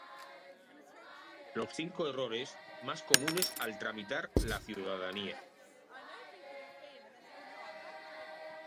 los cinco errores más comunes al tramitar la ciudadanía